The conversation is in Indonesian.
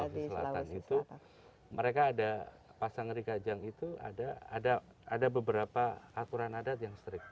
di selatan itu mereka ada pasang ri kajang itu ada beberapa aturan adat yang strict